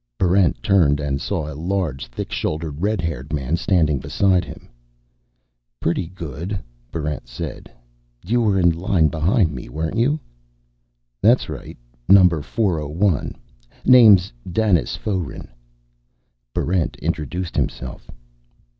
Barrent turned and saw a large, thick shouldered red haired man standing beside him. "Pretty good," Barrent said. "You were in line behind me, weren't you?" "That's right. Number 401. Name's Danis Foeren." Barrent introduced himself.